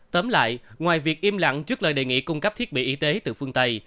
tóm lại ngoài việc im lặng trước lời đề nghị cung cấp thiết bị y tế từ phương tây